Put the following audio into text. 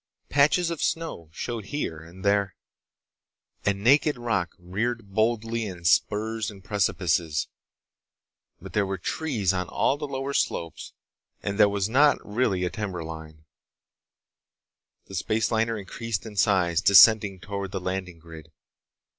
Patches of snow showed here and there, and naked rock reared boldly in spurs and precipices. But there were trees on all the lower slopes, and there was not really a timberline. The space liner increased in size, descending toward the landing grid.